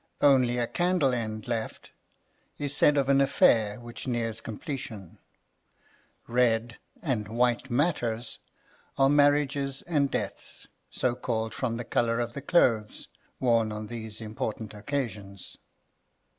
Only a candle end left is said of an affair which nears completion; red and white matters are marriages and deaths, so called from the colour of the clothes worn on these important occasions.